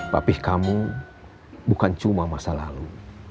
papih kamu bukan cuma masa lalu